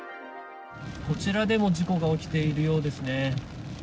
こちらでも事故が起きているようですね。